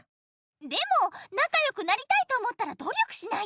でもなかよくなりたいと思ったら努力しないと。